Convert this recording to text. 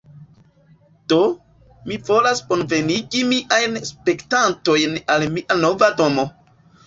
Do, mi volas bonvenigi miajn spektantojn al mia nova domo